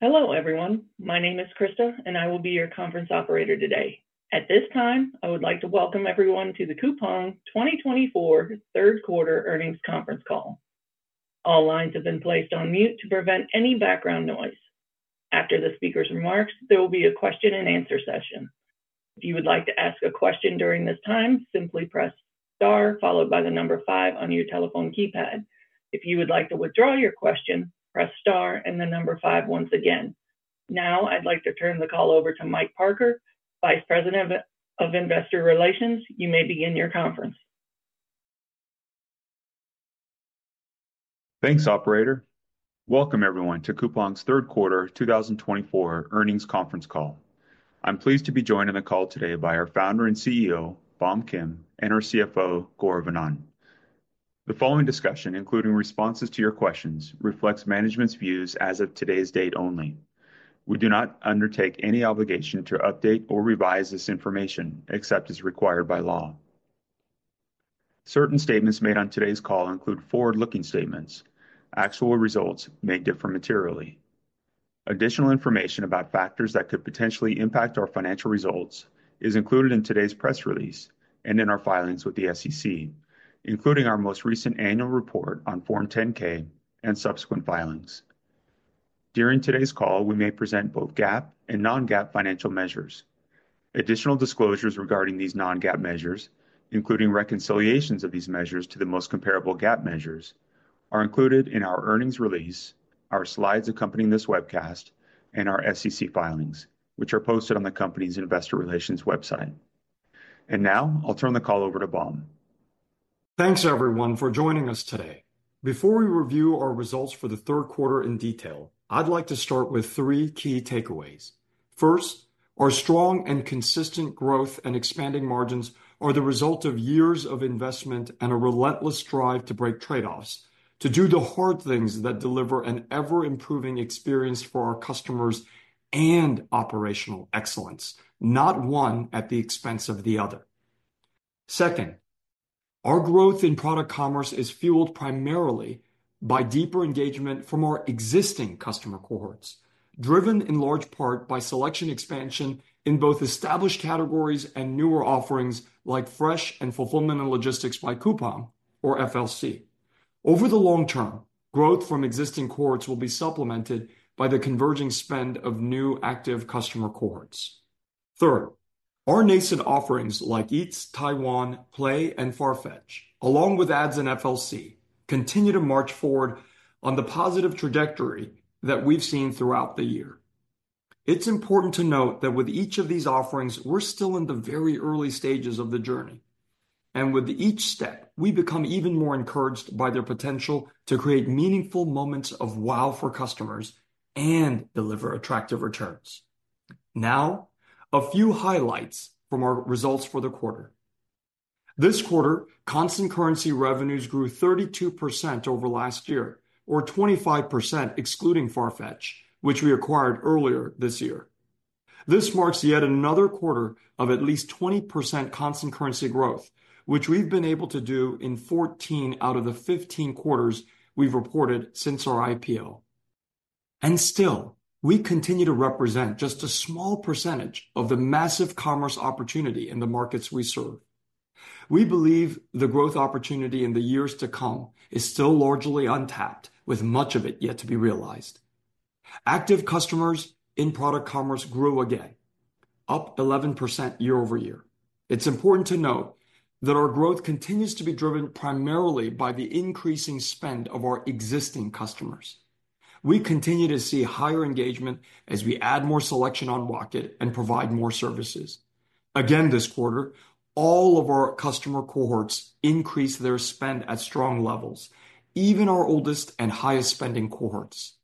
Hello, everyone. My name is Krista, and I will be your conference operator today. At this time, I would like to welcome everyone to the Coupang 2024 Third Quarter Earnings Conference Call. All lines have been placed on mute to prevent any background noise. After the speaker's remarks, there will be a question-and-answer session. If you would like to ask a question during this time, simply press star followed by the number five on your telephone keypad. If you would like to withdraw your question, press star and the number five once again. Now, I'd like to turn the call over to Mike Parker, Vice President of Investor Relations. You may begin your conference. Thanks, Operator. Welcome, everyone, to Coupang's Third Quarter 2024 Earnings Conference Call. I'm pleased to be joined on the call today by our founder and CEO, Bom Kim, and our CFO, Gaurav Anand. The following discussion, including responses to your questions, reflects management's views as of today's date only. We do not undertake any obligation to update or revise this information except as required by law. Certain statements made on today's call include forward-looking statements. Actual results may differ materially. Additional information about factors that could potentially impact our financial results is included in today's press release and in our filings with the SEC, including our most recent annual report on Form 10-K and subsequent filings. During today's call, we may present both GAAP and non-GAAP financial measures. Additional disclosures regarding these non-GAAP measures, including reconciliations of these measures to the most comparable GAAP measures, are included in our earnings release, our slides accompanying this webcast, and our SEC filings, which are posted on the company's Investor Relations website, and now, I'll turn the call over to Bom. Thanks, everyone, for joining us today. Before we review our results for the third quarter in detail, I'd like to start with three key takeaways. First, our strong and consistent growth and expanding margins are the result of years of investment and a relentless drive to break trade-offs, to do the hard things that deliver an ever-improving experience for our customers and operational excellence, not one at the expense of the other. Second, our growth in Product Commerce is fueled primarily by deeper engagement from our existing customer cohorts, driven in large part by selection expansion in both established categories and newer offerings like Fresh and Fulfillment and Logistics by Coupang, or FLC. Over the long term, growth from existing cohorts will be supplemented by the converging spend of new active customer cohorts. Third, our nascent offerings like Eats, Taiwan, Play, and Farfetch, along with ads and FLC, continue to march forward on the positive trajectory that we've seen throughout the year. It's important to note that with each of these offerings, we're still in the very early stages of the journey. With each step, we become even more encouraged by their potential to create meaningful moments of wow for customers and deliver attractive returns. Now, a few highlights from our results for the quarter. This quarter, constant currency revenues grew 32% over last year, or 25% excluding Farfetch, which we acquired earlier this year. This marks yet another quarter of at least 20% constant currency growth, which we've been able to do in 14 out of the 15 quarters we've reported since our IPO. And still, we continue to represent just a small percentage of the massive commerce opportunity in the markets we serve. We believe the growth opportunity in the years to come is still largely untapped, with much of it yet to be realized. Active customers in Product Commerce grew again, up 11% year-over-year. It's important to note that our growth continues to be driven primarily by the increasing spend of our existing customers. We continue to see higher engagement as we add more selection on market and provide more services. Again this quarter, all of our customer cohorts increased their spend at strong levels, even our oldest and highest spending cohorts.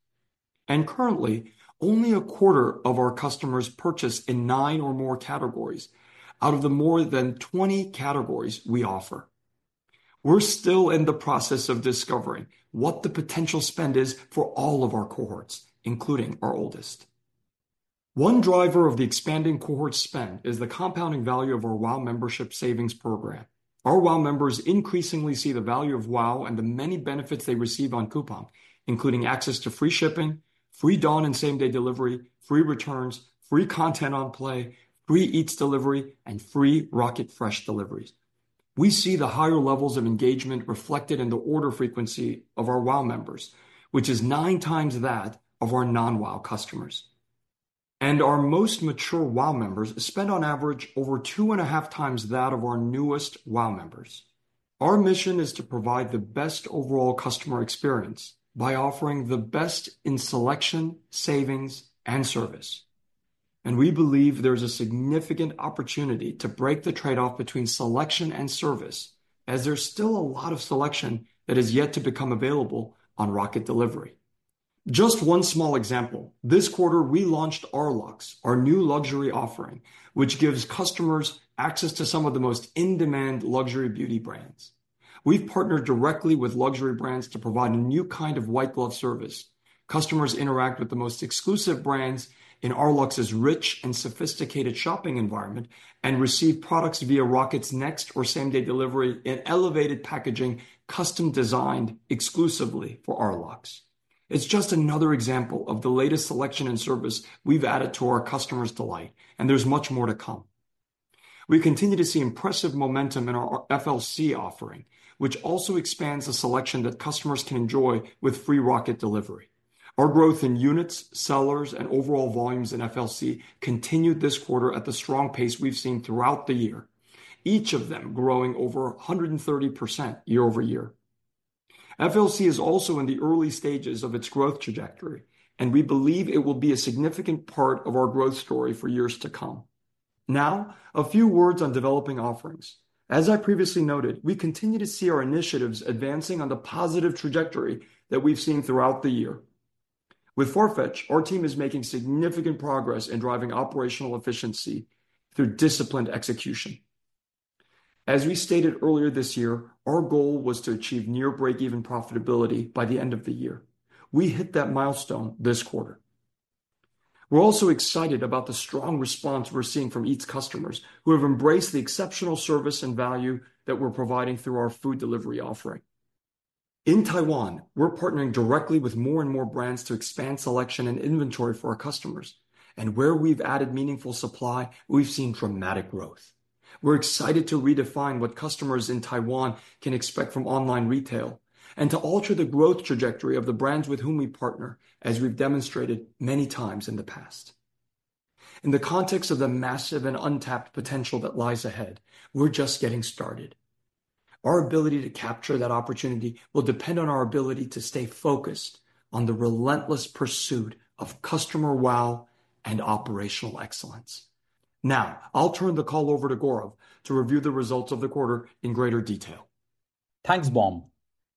And currently, only 1/4 of our customers purchase in nine or more categories out of the more than 20 categories we offer. We're still in the process of discovering what the potential spend is for all of our cohorts, including our oldest. One driver of the expanding cohort spend is the compounding value of our WOW membership savings program. Our WOW members increasingly see the value of WOW and the many benefits they receive on Coupang, including access to free shipping, free Dawn and Same-Day Delivery, free returns, free content on Play, free Eats delivery, and free Rocket Fresh deliveries. We see the higher levels of engagement reflected in the order frequency of our WOW members, which is 9x that of our non-WOW customers, and our most mature WOW members spend on average over 2.5x that of our newest WOW members. Our mission is to provide the best overall customer experience by offering the best in selection, savings, and service. We believe there's a significant opportunity to break the trade-off between selection and service, as there's still a lot of selection that has yet to become available on Rocket Delivery. Just one small example, this quarter we launched R.LUX, our new luxury offering, which gives customers access to some of the most in-demand luxury beauty brands. We've partnered directly with luxury brands to provide a new kind of white-glove service. Customers interact with the most exclusive brands in R.LUX's rich and sophisticated shopping environment and receive products via Rocket's next or same-day delivery in elevated packaging, custom-designed exclusively for R.LUX. It's just another example of the latest selection and service we've added to our customers' delight, and there's much more to come. We continue to see impressive momentum in our FLC offering, which also expands the selection that customers can enjoy with free Rocket Delivery. Our growth in units, sellers, and overall volumes in FLC continued this quarter at the strong pace we've seen throughout the year, each of them growing over 130% year-over-year. FLC is also in the early stages of its growth trajectory, and we believe it will be a significant part of our growth story for years to come. Now, a few words on Developing Offerings. As I previously noted, we continue to see our initiatives advancing on the positive trajectory that we've seen throughout the year. With Farfetch, our team is making significant progress in driving operational efficiency through disciplined execution. As we stated earlier this year, our goal was to achieve near break-even profitability by the end of the year. We hit that milestone this quarter. We're also excited about the strong response we're seeing from Eats customers who have embraced the exceptional service and value that we're providing through our food delivery offering. In Taiwan, we're partnering directly with more and more brands to expand selection and inventory for our customers, and where we've added meaningful supply, we've seen dramatic growth. We're excited to redefine what customers in Taiwan can expect from online retail and to alter the growth trajectory of the brands with whom we partner, as we've demonstrated many times in the past. In the context of the massive and untapped potential that lies ahead, we're just getting started. Our ability to capture that opportunity will depend on our ability to stay focused on the relentless pursuit of customer wow and operational excellence. Now, I'll turn the call over to Gaurav to review the results of the quarter in greater detail. Thanks, Bom.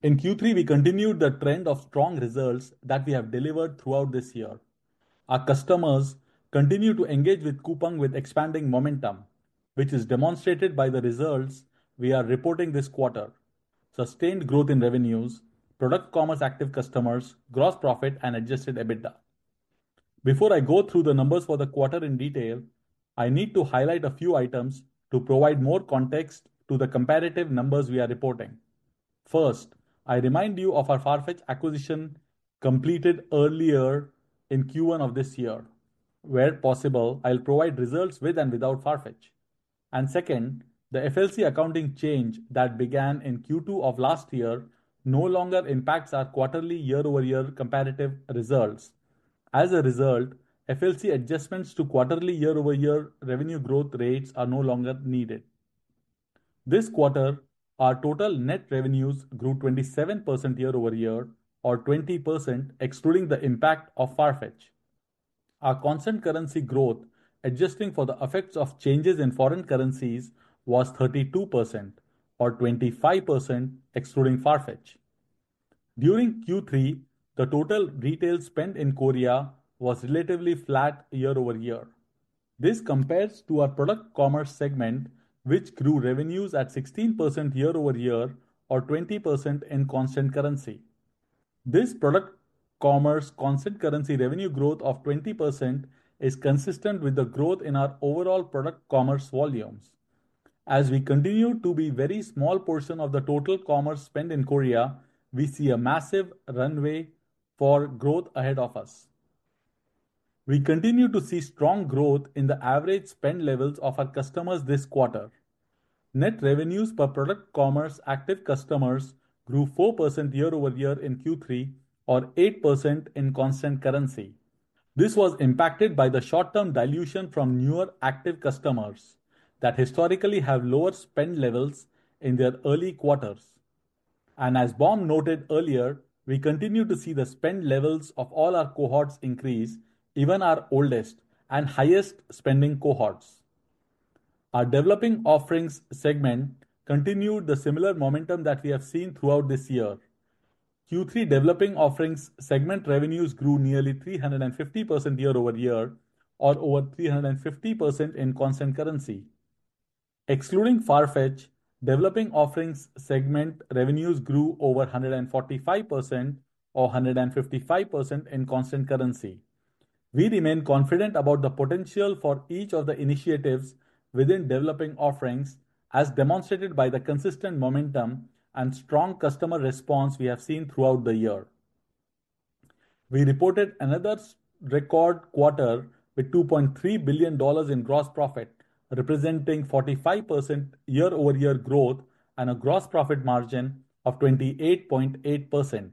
In Q3, we continued the trend of strong results that we have delivered throughout this year. Our customers continue to engage with Coupang with expanding momentum, which is demonstrated by the results we are reporting this quarter: sustained growth in revenues, Product Commerce active customers, gross profit, and Adjusted EBITDA. Before I go through the numbers for the quarter in detail, I need to highlight a few items to provide more context to the comparative numbers we are reporting. First, I remind you of our Farfetch acquisition completed earlier in Q1 of this year. Where possible, I'll provide results with and without Farfetch. And second, the FLC accounting change that began in Q2 of last year no longer impacts our quarterly year-over-year comparative results. As a result, FLC adjustments to quarterly year-over-year revenue growth rates are no longer needed. This quarter, our total net revenues grew 27% year-over-year, or 20% excluding the impact of Farfetch. Our constant currency growth, adjusting for the effects of changes in foreign currencies, was 32%, or 25% excluding Farfetch. During Q3, the total retail spend in Korea was relatively flat year-over-year. This compares to our Product Commerce segment, which grew revenues at 16% year-over-year, or 20% in constant currency. This Product Commerce constant currency revenue growth of 20% is consistent with the growth in our overall Product Commerce volumes. As we continue to be a very small portion of the total commerce spend in Korea, we see a massive runway for growth ahead of us. We continue to see strong growth in the average spend levels of our customers this quarter. Net revenues per Product Commerce active customers grew 4% year-over-year in Q3, or 8% in constant currency. This was impacted by the short-term dilution from newer active customers that historically have lower spend levels in their early quarters. And as Bom noted earlier, we continue to see the spend levels of all our cohorts increase, even our oldest and highest spending cohorts. Our Developing Offerings segment continued the similar momentum that we have seen throughout this year. Q3 Developing Offerings segment revenues grew nearly 350% year-over-year, or over 350% in constant currency. Excluding Farfetch, Developing Offerings segment revenues grew over 145%, or 155% in constant currency. We remain confident about the potential for each of the initiatives within Developing Offerings, as demonstrated by the consistent momentum and strong customer response we have seen throughout the year. We reported another record quarter with $2.3 billion in gross profit, representing 45% year-over-year growth and a gross profit margin of 28.8%.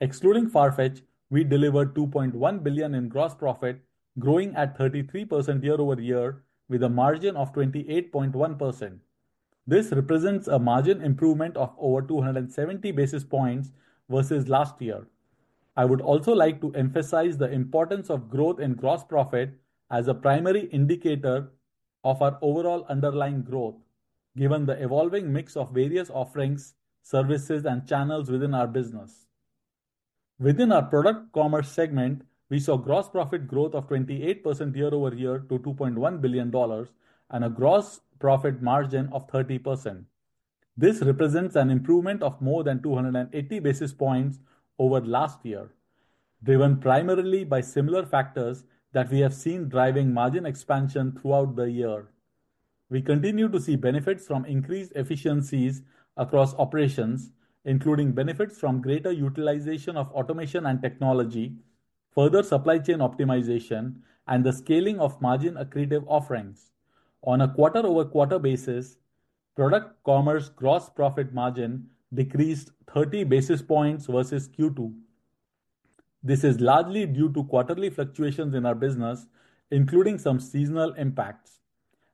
Excluding Farfetch, we delivered $2.1 billion in gross profit, growing at 33% year-over-year with a margin of 28.1%. This represents a margin improvement of over 270 basis points versus last year. I would also like to emphasize the importance of growth in gross profit as a primary indicator of our overall underlying growth, given the evolving mix of various offerings, services, and channels within our business. Within our Product Commerce segment, we saw gross profit growth of 28% year-over-year to $2.1 billion and a gross profit margin of 30%. This represents an improvement of more than 280 basis points over last year, driven primarily by similar factors that we have seen driving margin expansion throughout the year. We continue to see benefits from increased efficiencies across operations, including benefits from greater utilization of automation and technology, further supply chain optimization, and the scaling of margin-accretive offerings. On a quarter-over-quarter basis, Product Commerce gross profit margin decreased 30 basis points versus Q2. This is largely due to quarterly fluctuations in our business, including some seasonal impacts.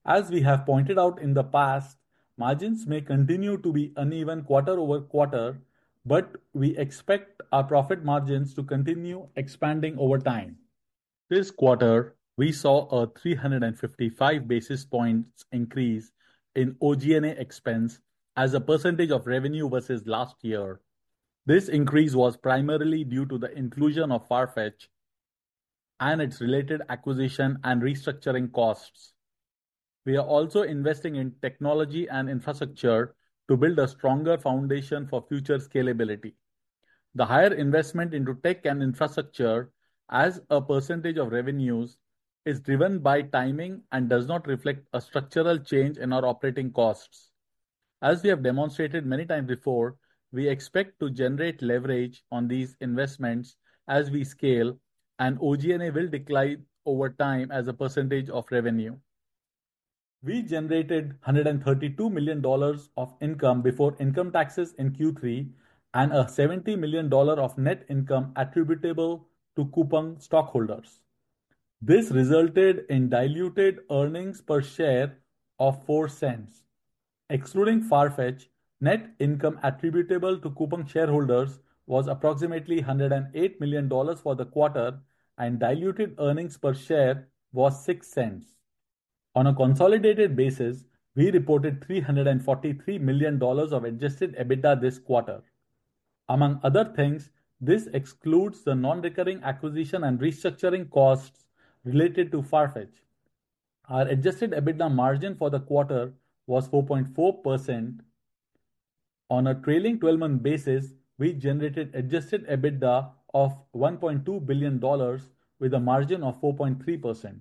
As we have pointed out in the past, margins may continue to be uneven quarter-over-quarter, but we expect our profit margins to continue expanding over time. This quarter, we saw a 355 basis points increase in OG&A expense as a percentage of revenue versus last year. This increase was primarily due to the inclusion of Farfetch and its related acquisition and restructuring costs. We are also investing in technology and infrastructure to build a stronger foundation for future scalability. The higher investment into tech and infrastructure as a percentage of revenues is driven by timing and does not reflect a structural change in our operating costs. As we have demonstrated many times before, we expect to generate leverage on these investments as we scale, and OG&A will decline over time as a percentage of revenue. We generated $132 million of income before income taxes in Q3 and $70 million of net income attributable to Coupang stockholders. This resulted in diluted earnings per share of $0.04. Excluding Farfetch, net income attributable to Coupang shareholders was approximately $108 million for the quarter, and diluted earnings per share was $0.06. On a consolidated basis, we reported $343 million of Adjusted EBITDA this quarter. Among other things, this excludes the non-recurring acquisition and restructuring costs related to Farfetch. Our Adjusted EBITDA margin for the quarter was 4.4%. On a trailing 12-month basis, we generated Adjusted EBITDA of $1.2 billion with a margin of 4.3%.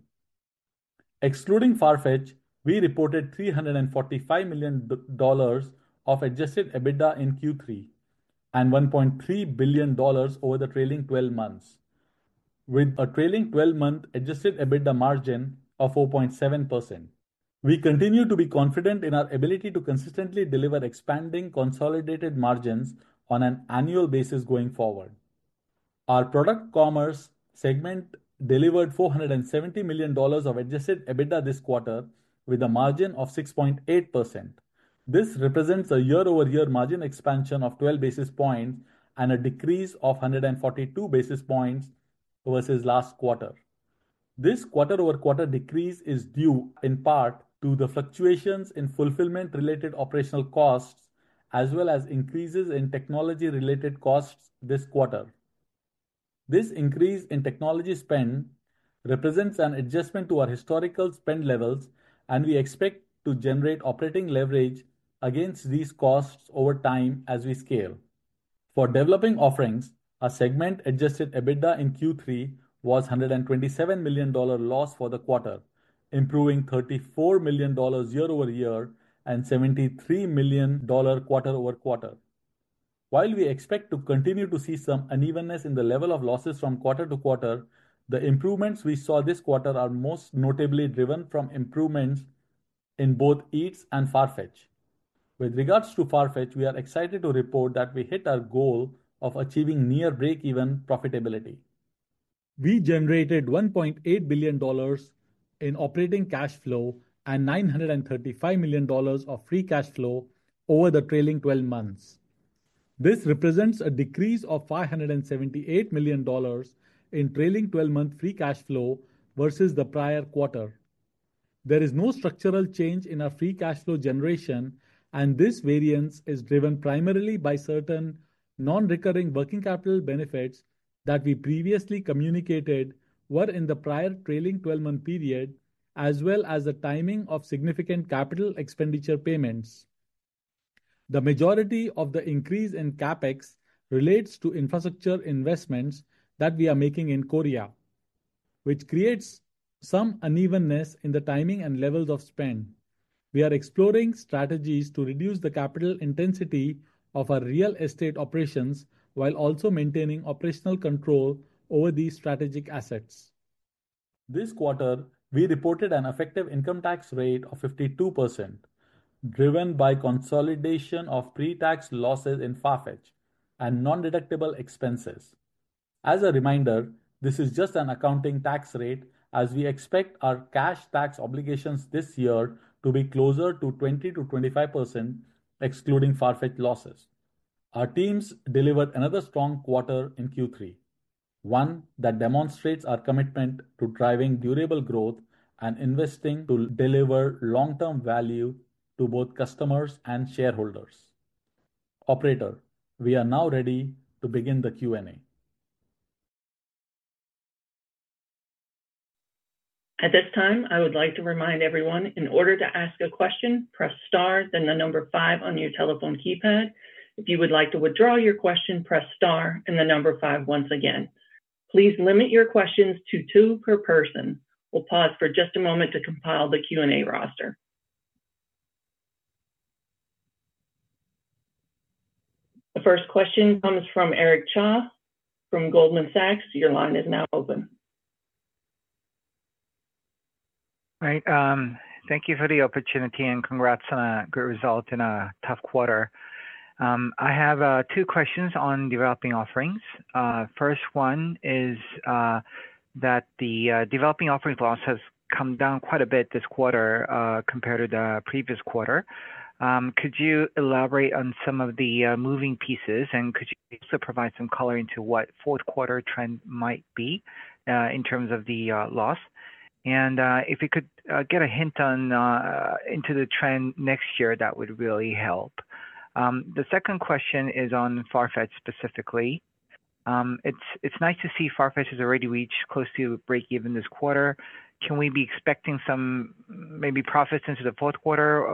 Excluding Farfetch, we reported $345 million of Adjusted EBITDA in Q3 and $1.3 billion over the trailing 12 months, with a trailing 12-month Adjusted EBITDA margin of 4.7%. We continue to be confident in our ability to consistently deliver expanding consolidated margins on an annual basis going forward. Our Product Commerce segment delivered $470 million of Adjusted EBITDA this quarter with a margin of 6.8%. This represents a year-over-year margin expansion of 12 basis points and a decrease of 142 basis points versus last quarter. This quarter-over-quarter decrease is due in part to the fluctuations in fulfillment-related operational costs, as well as increases in technology-related costs this quarter. This increase in technology spend represents an adjustment to our historical spend levels, and we expect to generate operating leverage against these costs over time as we scale. For Developing Offerings, our segment-Adjusted EBITDA in Q3 was $127 million loss for the quarter, improving $34 million year-over-year and $73 million quarter-over-quarter. While we expect to continue to see some unevenness in the level of losses from quarter to quarter, the improvements we saw this quarter are most notably driven from improvements in both Eats and Farfetch. With regards to Farfetch, we are excited to report that we hit our goal of achieving near break-even profitability. We generated $1.8 billion in operating cash flow and $935 million of free cash flow over the trailing 12 months. This represents a decrease of $578 million in trailing 12-month free cash flow versus the prior quarter. There is no structural change in our free cash flow generation, and this variance is driven primarily by certain non-recurring working capital benefits that we previously communicated were in the prior trailing 12-month period, as well as the timing of significant capital expenditure payments. The majority of the increase in CapEx relates to infrastructure investments that we are making in Korea, which creates some unevenness in the timing and levels of spend. We are exploring strategies to reduce the capital intensity of our real estate operations while also maintaining operational control over these strategic assets. This quarter, we reported an effective income tax rate of 52%, driven by consolidation of pre-tax losses in Farfetch and non-deductible expenses. As a reminder, this is just an accounting tax rate, as we expect our cash tax obligations this year to be closer to 20%-25%, excluding Farfetch losses. Our teams delivered another strong quarter in Q3, one that demonstrates our commitment to driving durable growth and investing to deliver long-term value to both customers and shareholders. Operator, we are now ready to begin the Q&A. At this time, I would like to remind everyone, in order to ask a question, press star, then the number five on your telephone keypad. If you would like to withdraw your question, press star and the number five once again. Please limit your questions to two per person. We'll pause for just a moment to compile the Q&A roster. The first question comes from Eric Cha from Goldman Sachs. Your line is now open. All right. Thank you for the opportunity and congrats on a great result in a tough quarter. I have two questions on Developing Offerings. First one is that the Developing Offerings loss has come down quite a bit this quarter compared to the previous quarter. Could you elaborate on some of the moving pieces, and could you also provide some color into what fourth quarter trend might be in terms of the loss? And if you could get a hint into the trend next year, that would really help. The second question is on Farfetch specifically. It's nice to see Farfetch has already reached close to break-even this quarter. Can we be expecting some maybe profits into the fourth quarter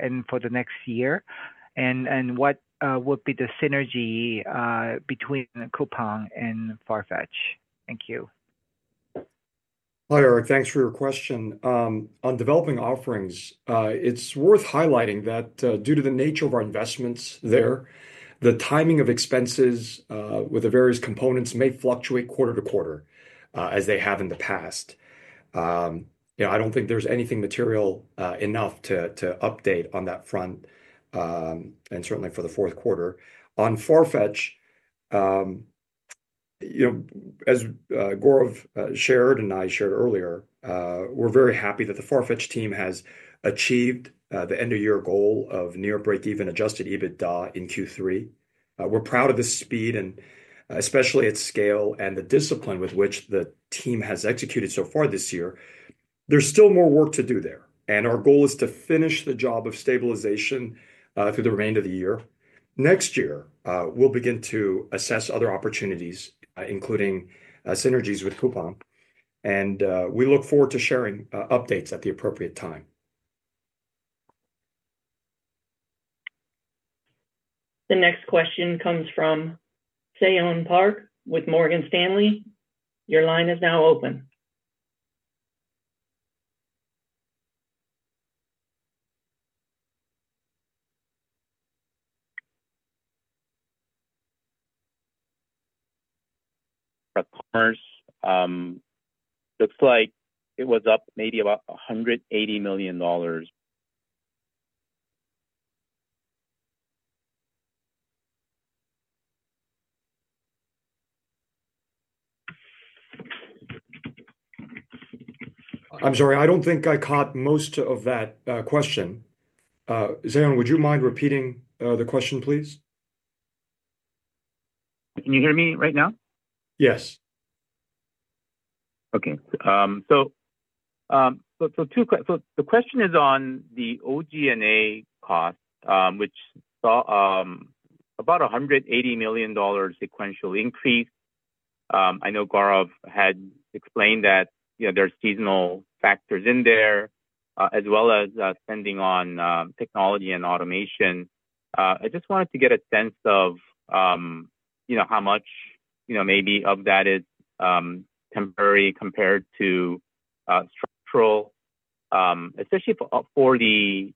and for the next year? And what would be the synergy between Coupang and Farfetch? Thank you. Hi, Eric. Thanks for your question. On Developing Offerings, it's worth highlighting that due to the nature of our investments there, the timing of expenses with the various components may fluctuate quarter to quarter as they have in the past. I don't think there's anything material enough to update on that front, and certainly for the fourth quarter. On Farfetch, as Gaurav shared and I shared earlier, we're very happy that the Farfetch team has achieved the end-of-year goal of near break-even Adjusted EBITDA in Q3. We're proud of the speed, and especially its scale and the discipline with which the team has executed so far this year. There's still more work to do there, and our goal is to finish the job of stabilization through the remainder of the year. Next year, we'll begin to assess other opportunities, including synergies with Coupang, and we look forward to sharing updates at the appropriate time. The next question comes from Seyon Park with Morgan Stanley. Your line is now open. Looks like it was up maybe about $180 million. I'm sorry, I don't think I caught most of that question. Seyon, would you mind repeating the question, please? Can you hear me right now? Yes. Okay. So the question is on the OG&A cost, which saw about $180 million sequential increase. I know Gaurav had explained that there are seasonal factors in there, as well as spending on technology and automation. I just wanted to get a sense of how much maybe of that is temporary compared to structural, especially for the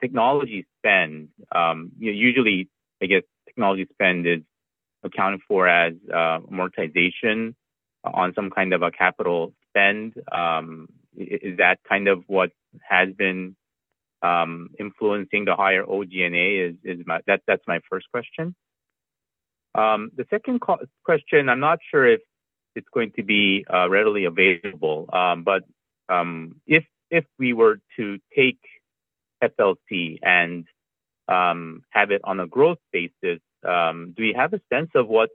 technology spend. Usually, I guess technology spend is accounted for as amortization on some kind of a capital spend. Is that kind of what has been influencing the higher OG&A? That's my first question. The second question, I'm not sure if it's going to be readily available, but if we were to take FLC and have it on a growth basis, do we have a sense of what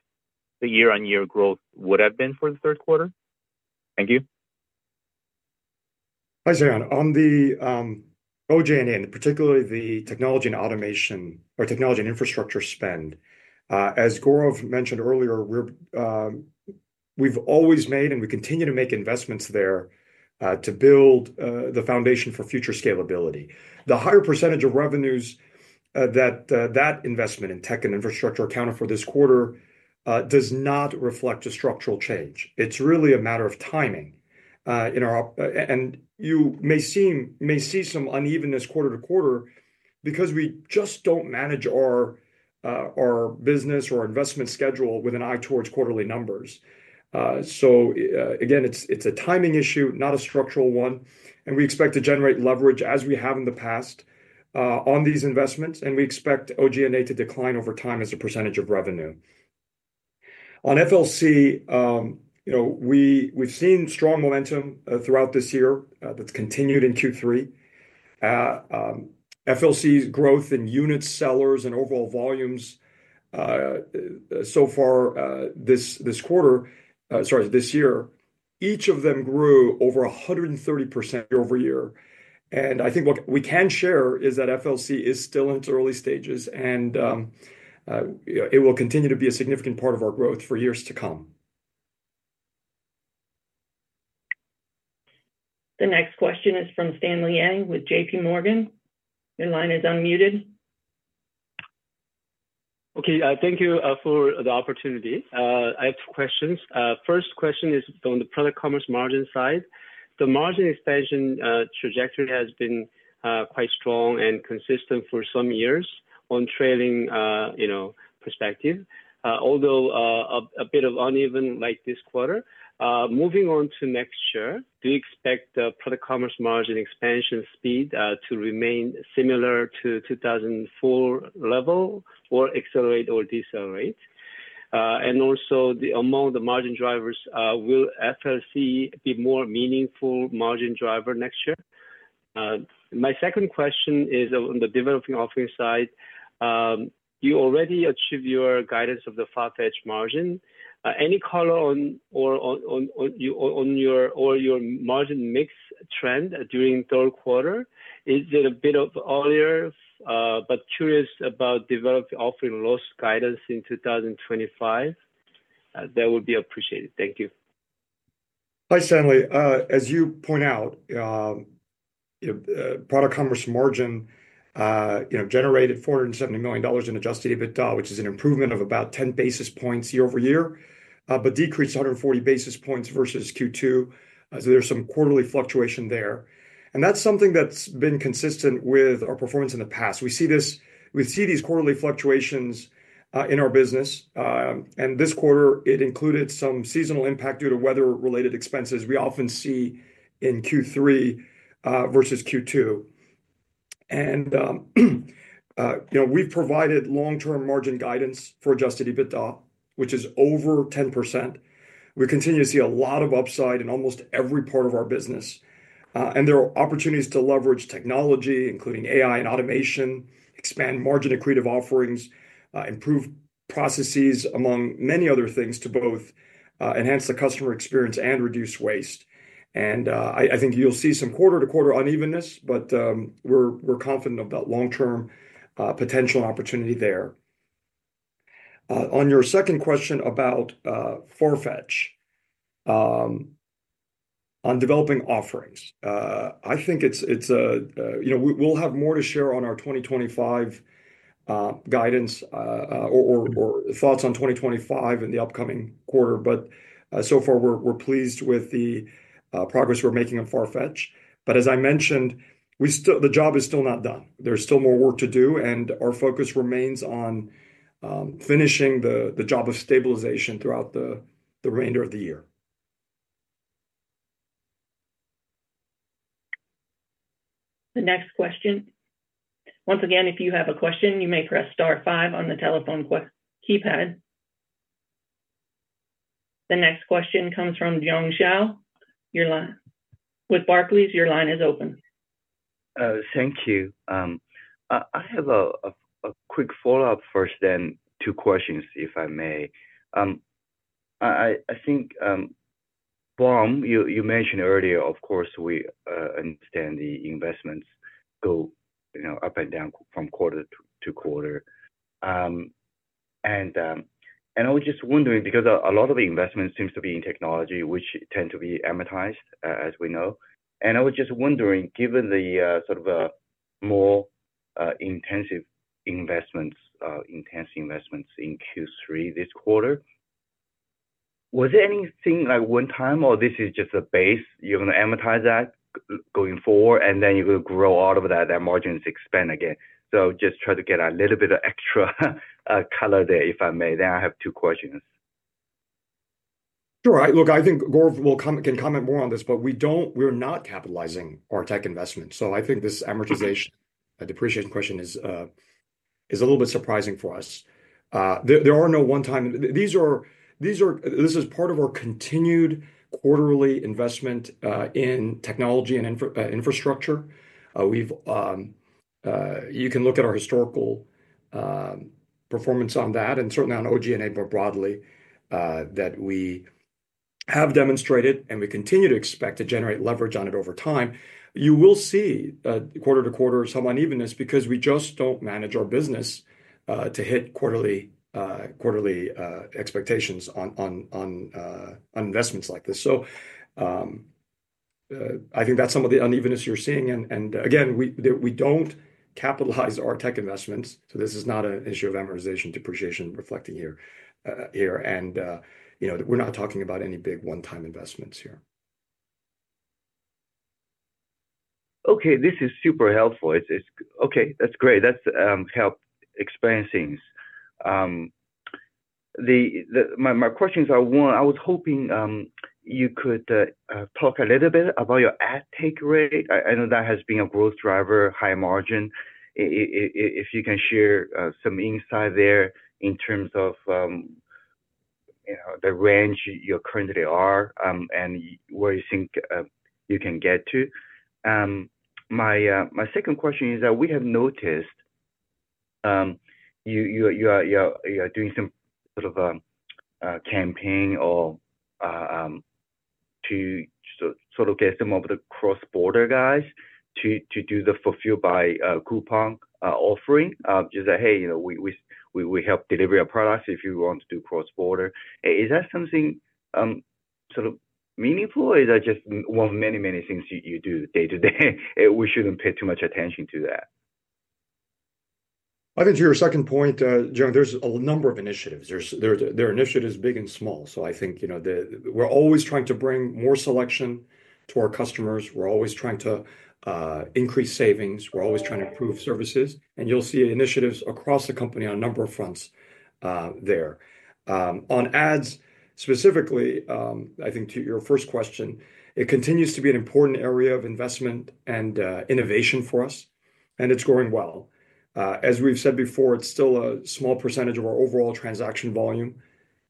the year-on-year growth would have been for the third quarter? Thank you. Hi, Seyon. On the OG&A, and particularly the technology and automation or technology and infrastructure spend, as Gaurav mentioned earlier, we've always made and we continue to make investments there to build the foundation for future scalability. The higher percentage of revenues that that investment in tech and infrastructure accounted for this quarter does not reflect a structural change. It's really a matter of timing. And you may see some unevenness quarter to quarter because we just don't manage our business or investment schedule with an eye towards quarterly numbers. So again, it's a timing issue, not a structural one. And we expect to generate leverage as we have in the past on these investments, and we expect OG&A to decline over time as a percentage of revenue. On FLC, we've seen strong momentum throughout this year that's continued in Q3. FLC's growth in units, sellers, and overall volumes so far this quarter, sorry, this year, each of them grew over 130% year-over-year, and I think what we can share is that FLC is still in its early stages, and it will continue to be a significant part of our growth for years to come. The next question is from Stanley Yang with JPMorgan. Your line is unmuted. Okay. Thank you for the opportunity. I have two questions. First question is on the Product Commerce margin side. The margin expansion trajectory has been quite strong and consistent for some years on trailing perspective, although a bit uneven like this quarter. Moving on to next year, do you expect the Product Commerce margin expansion speed to remain similar to 2024 level or accelerate or decelerate? And also, among the margin drivers, will FLC be a more meaningful margin driver next year? My second question is on the Developing Offerings side. You already achieved your guidance of the Farfetch margin. Any color on your margin mix trend during third quarter? Is it a bit earlier? But curious about Developing Offerings loss guidance in 2025. That would be appreciated. Thank you. Hi, Stanley. As you point out, Product Commerce margin generated $470 million in Adjusted EBITDA, which is an improvement of about 10 basis points year-over-year, but decreased 140 basis points versus Q2, so there's some quarterly fluctuation there, and that's something that's been consistent with our performance in the past. We see these quarterly fluctuations in our business, and this quarter, it included some seasonal impact due to weather-related expenses we often see in Q3 versus Q2, and we've provided long-term margin guidance for Adjusted EBITDA, which is over 10%. We continue to see a lot of upside in almost every part of our business. And there are opportunities to leverage technology, including AI and automation, expand margin accretive offerings, improve processes, among many other things to both enhance the customer experience and reduce waste. I think you'll see some quarter-to-quarter unevenness, but we're confident of that long-term potential and opportunity there. On your second question about Farfetch on Developing Offerings, I think we'll have more to share on our 2025 guidance or thoughts on 2025 in the upcoming quarter. But so far, we're pleased with the progress we're making on Farfetch. But as I mentioned, the job is still not done. There's still more work to do, and our focus remains on finishing the job of stabilization throughout the remainder of the year. The next question. Once again, if you have a question, you may press star five on the telephone keypad. The next question comes from Jiong Shao with Barclays. Your line is open. Thank you. I have a quick follow-up first, then two questions, if I may. I think, Bom, you mentioned earlier, of course, we understand the investments go up and down from quarter to quarter. And I was just wondering because a lot of the investments seem to be in technology, which tend to be amortized, as we know. And I was just wondering, given the sort of more intensive investments, intense investments in Q3 this quarter, was there anything like one time, or this is just a base? You're going to amortize that going forward, and then you're going to grow out of that, that margins expand again? So just try to get a little bit of extra color there, if I may. Then I have two questions. Sure. Look, I think Gaurav can comment more on this, but we're not capitalizing our tech investments. So I think this amortization, depreciation question is a little bit surprising for us. There are no one-time. This is part of our continued quarterly investment in technology and infrastructure. You can look at our historical performance on that, and certainly on OG&A more broadly, that we have demonstrated, and we continue to expect to generate leverage on it over time. You will see quarter to quarter some unevenness because we just don't manage our business to hit quarterly expectations on investments like this. So I think that's some of the unevenness you're seeing. And again, we don't capitalize our tech investments. So this is not an issue of amortization depreciation reflecting here. And we're not talking about any big one-time investments here. Okay. This is super helpful. Okay. That's great. That's helped explain things. My questions are one, I was hoping you could talk a little bit about your ad take rate. I know that has been a growth driver, high margin. If you can share some insight there in terms of the range you currently are and where you think you can get to. My second question is that we have noticed you are doing some sort of campaign or to sort of get some of the cross-border guys to do the fulfilled by Coupang offering, just say, "Hey, we help deliver your products if you want to do cross-border." Is that something sort of meaningful, or is that just one of many, many things you do day to day? We shouldn't pay too much attention to that. I think to your second point, Jiong, there's a number of initiatives. There are initiatives big and small. So I think we're always trying to bring more selection to our customers. We're always trying to increase savings. We're always trying to improve services. And you'll see initiatives across the company on a number of fronts there. On ads, specifically, I think to your first question, it continues to be an important area of investment and innovation for us, and it's growing well. As we've said before, it's still a small percentage of our overall transaction volume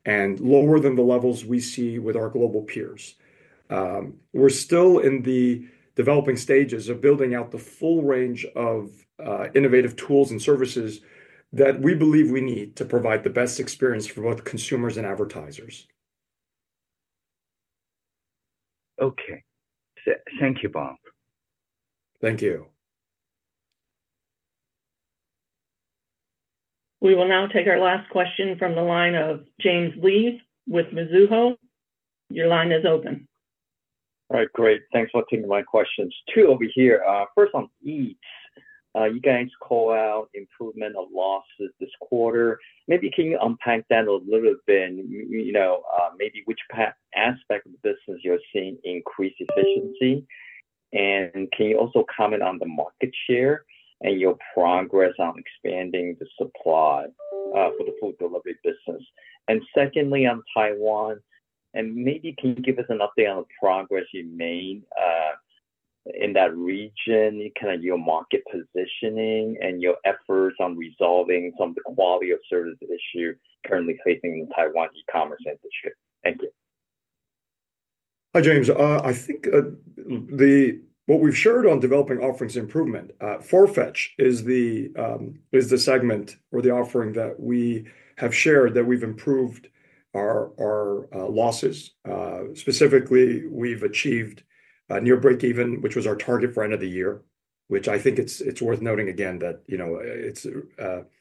and lower than the levels we see with our global peers. We're still in the developing stages of building out the full range of innovative tools and services that we believe we need to provide the best experience for both consumers and advertisers. Okay. Thank you, Bom. Thank you. We will now take our last question from the line of James Lee with Mizuho. Your line is open. All right. Great. Thanks for taking my questions. Two over here. First on Eats, you guys call out improvement of losses this quarter. Maybe can you unpack that a little bit? Maybe which aspect of the business you're seeing increase efficiency? And can you also comment on the market share and your progress on expanding the supply for the food delivery business? And secondly, on Taiwan, and maybe can you give us an update on the progress you made in that region, kind of your market positioning and your efforts on resolving some of the quality of service issue currently facing the Taiwan e-commerce industry? Thank you. Hi, James. I think what we've shared on Developing Offerings improvement, Farfetch is the segment or the offering that we have shared that we've improved our losses. Specifically, we've achieved near breakeven, which was our target for end of the year, which I think it's worth noting again that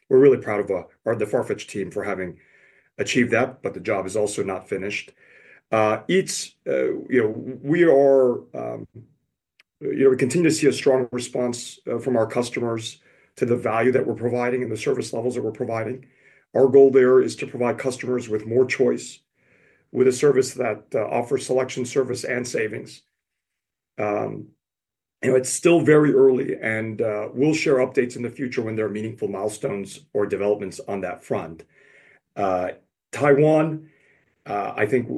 we're really proud of the Farfetch team for having achieved that, but the job is also not finished. We continue to see a strong response from our customers to the value that we're providing and the service levels that we're providing. Our goal there is to provide customers with more choice with a service that offers selection service and savings. It's still very early, and we'll share updates in the future when there are meaningful milestones or developments on that front. Taiwan, I think,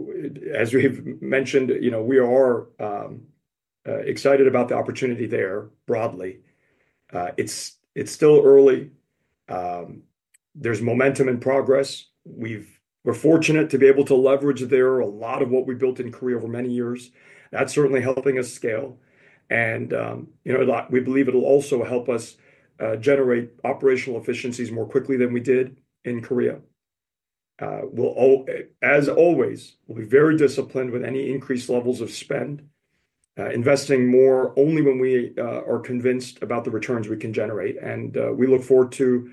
as we've mentioned, we are excited about the opportunity there broadly. It's still early. There's momentum and progress. We're fortunate to be able to leverage there a lot of what we built in Korea over many years. That's certainly helping us scale, and we believe it'll also help us generate operational efficiencies more quickly than we did in Korea. As always, we'll be very disciplined with any increased levels of spend, investing more only when we are convinced about the returns we can generate, and we look forward to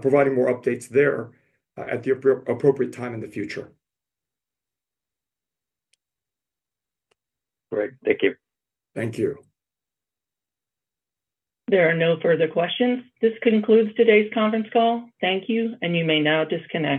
providing more updates there at the appropriate time in the future. Great. Thank you. Thank you. There are no further questions. This concludes today's conference call. Thank you, and you may now disconnect.